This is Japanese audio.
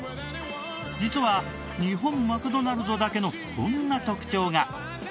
実は日本マクドナルドだけのこんな特徴が。